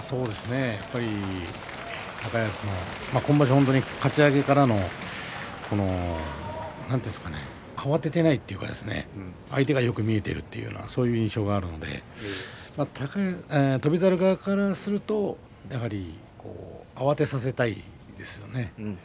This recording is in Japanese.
高安の今場所のかち上げからの慌てていないというか相手がよく見えているようなそういう印象があるので翔猿からすると、やはり慌てさせたいですよね。